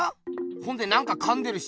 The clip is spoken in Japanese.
ほんで何かかんでるし。